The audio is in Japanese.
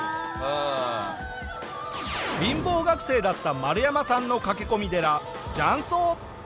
貧乏学生だったマルヤマさんの駆け込み寺雀荘。